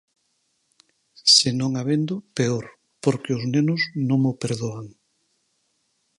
se non a vendo, peor, porque os nenos non mo perdoan.